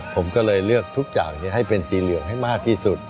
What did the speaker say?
ผมก็เลยเลือกทุกอย่างให้เป็นสีเหลืองให้มากที่สุด